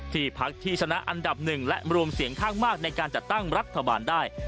ที่พักที่ชนะอันดับหนึ่งและรวมเสียงข้างมากในการจัดตั้งรัฐบาลได้